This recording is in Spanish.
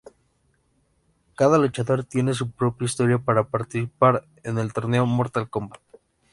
Cada luchador tiene su propia historia para participar en el torneo Mortal Kombat.